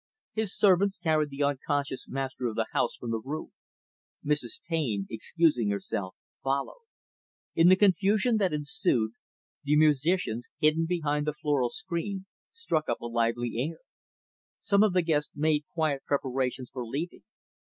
His servants carried the unconscious master of the house from the room. Mrs. Taine, excusing herself, followed. In the confusion that ensued, the musicians, hidden behind the floral screen, struck up a lively air. Some of the guests made quiet preparations for leaving.